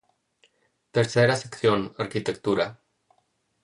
Tercera sección: Arquitectura.